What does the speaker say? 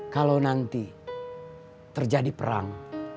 kalau nanti terjadi perang